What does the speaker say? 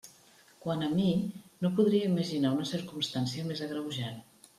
Quant a mi, no podria imaginar una circumstància més agreujant.